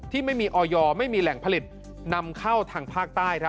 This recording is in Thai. ที่ไม่มีออยไม่มีแหล่งผลิตนำเข้าทางภาคใต้